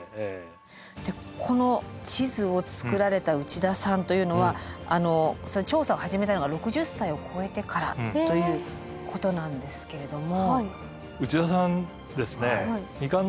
でこの地図を作られた内田さんというのは調査を始めたのが６０歳を超えてからということなんですけれども。